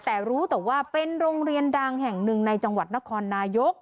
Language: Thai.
แต่รู้แต่ว่าเป็นโรงเรียนดังแห่งหนึ่งในจังหวัดนครนายก